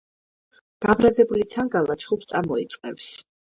გაბრაზებული ცანგალა ჩხუბს წამოიწყებს.